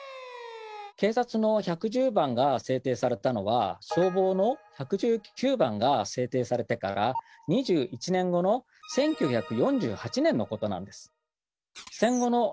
警察の１１０番が制定されたのは消防の１１９番が制定されてから２１年後の１９４８年のことなんです。